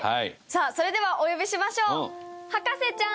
さあそれではお呼びしましょう。